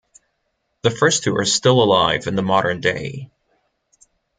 The first two are still alive in the modern day.